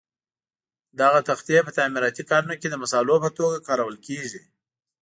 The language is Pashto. دغه تختې په تعمیراتي کارونو کې د مسالو په توګه کارول کېږي.